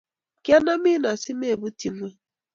Kianam asi komeputyi ing'weny.